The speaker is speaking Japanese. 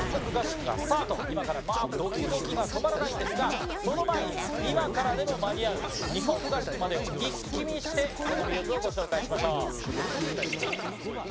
今からドキドキが止まらないんですがその前に今からでも間に合う日本合宿までを一気見してその魅力をご紹介しましょう。